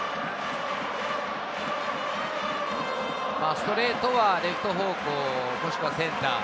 ストレートはレフト方向、もしくはセンター。